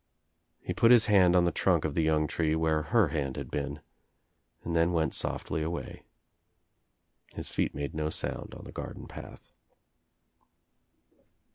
He put his hand on the trunk of the young tree where her hand had been and then went softly away. His feet made no sound on the garden path.